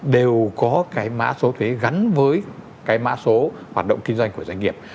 gắn với cái mã số thuế gắn với cái mã số hoạt động kinh doanh của doanh nghiệp